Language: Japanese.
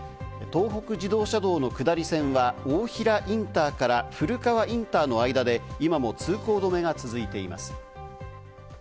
東北自動車道の下り線は大衡インターから古川インターの間で今も通行止めが続いています。